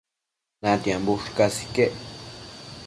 natiambo ushcas iquec